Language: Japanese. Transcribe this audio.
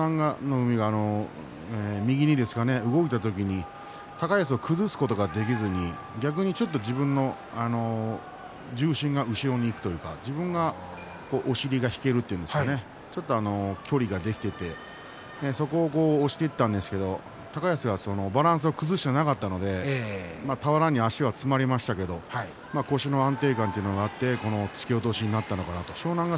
海が右にですかね、動いた時に高安を崩すことができずに逆にちょっと自分の重心が後ろにいくというか自分のお尻が引けるというかちょっと距離ができていてそこを押していったんですけど高安がバランス崩していなかったので俵に足が詰まりましたけど腰の安定感というのがあって突き落としになったのかなと湘南乃